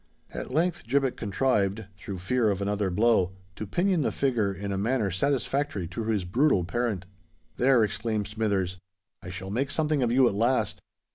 At length Gibbet contrived, through fear of another blow, to pinion the figure in a manner satisfactory to his brutal parent. "There!" exclaimed Smithers; "I shall make something of you at last.